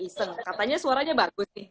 iseng katanya suaranya bagus nih